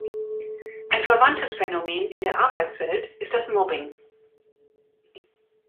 Ein verwandtes Phänomen in der Arbeitswelt ist das Mobbing.